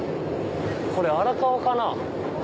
これ荒川かな。